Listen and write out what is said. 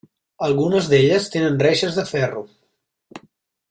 Algunes d'elles tenen reixes de ferro.